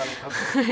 はい。